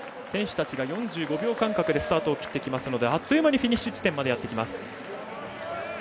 選手たちが４５秒間隔でスタートをきってきますのであっという間にフィニッシュ地点にきます。